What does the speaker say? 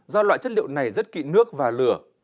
do loại chất liệu này rất kị nước và lửa